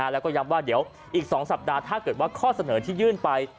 แล้วก็ย้ำว่าเดี๋ยวอีก๒สัปดาห์ถ้าเกิดว่าข้อเสนอที่ยื่นไป